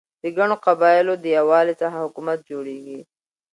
د ګڼو قبایلو د یووالي څخه حکومت جوړيږي.